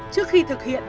trước khi thực hiện